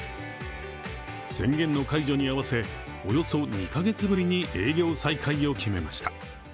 宣言の解除に合わせ、およそ２カ月ぶりに営業再開を決めました。